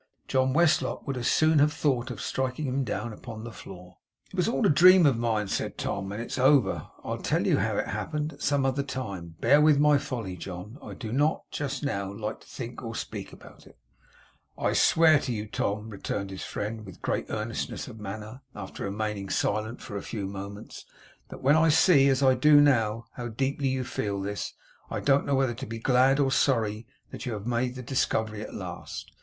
John Westlock would as soon have thought of striking him down upon the floor. 'It was all a dream of mine,' said Tom, 'and it is over. I'll tell you how it happened, at some other time. Bear with my folly, John. I do not, just now, like to think or speak about it.' 'I swear to you, Tom,' returned his friend, with great earnestness of manner, after remaining silent for a few moments, 'that when I see, as I do now, how deeply you feel this, I don't know whether to be glad or sorry that you have made the discovery at last.